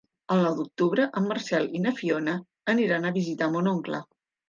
El nou d'octubre en Marcel i na Fiona aniran a visitar mon oncle.